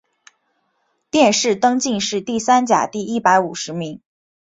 殿试登进士第三甲第一百五十名。